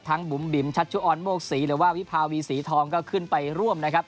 บุ๋มบิ๋มชัชชุออนโมกศรีหรือว่าวิภาวีสีทองก็ขึ้นไปร่วมนะครับ